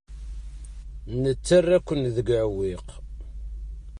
Nettarra-ken deg uɛewwiq.